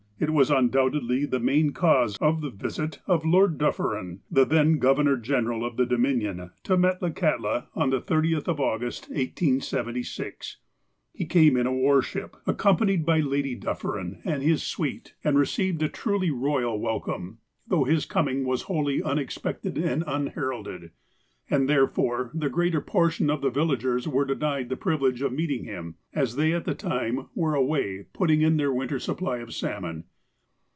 It was undoubtedly the main cause of the visit of Lord Dufferin, the then Governor General of the Dominion, to Metlakahtla, on the 30th of August, 1876. He came in a war ship, accompanied by Lady Dufferin 236 I ADMIRAL J. C. PREVOST NOTABLE VISITORS 237 and his suite, and received a truly royal welcome, though his coming was wholly unexpected and unheralded, and, therefore, the greater portion of the villagers were denied the privilege of meeting him, as they, at the time, were away putting in their winter supply of salmon.